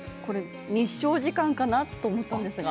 日照時間かなと思ったんですが